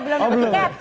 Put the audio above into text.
belum ada tiket